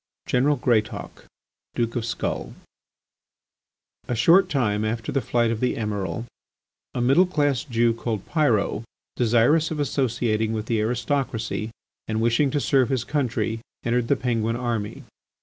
GENERAL GREATAUK, DUKE OF SKULL A short time after the flight of the Emiral, a middle class Jew called Pyrot, desirous of associating with the aristocracy and wishing to serve his country, entered the Penguin army.